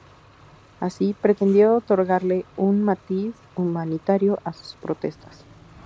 Así pretendió otorgarle un matiz humanitario a sus protestas.